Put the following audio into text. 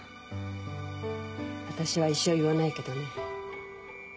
私は一生言わないけどね。